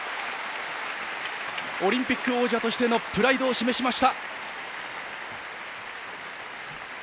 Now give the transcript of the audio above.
オリンピック王者としてのプライドを示しました。